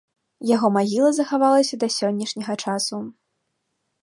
Яго магіла захавалася да сённяшняга часу.